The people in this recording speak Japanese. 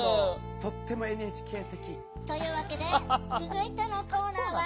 とってもＮＨＫ的。というわけで続いてのコーナーは「お願い！